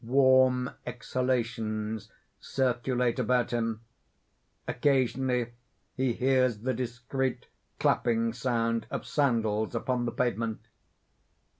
Warm exhalations circulate about him; occasionally he hears the discreet clapping sound of sandals upon the pavement.